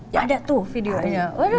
ya ada tuh videonya